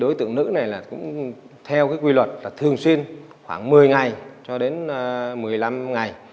đối tượng nữ này là cũng theo cái quy luật là thường xuyên khoảng một mươi ngày cho đến một mươi năm ngày